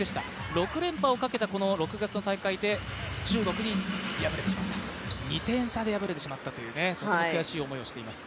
６連覇をかけた６月の大会で中国に敗れてしまった、２点差で敗れてしまったという、とても悔しい思いをしています。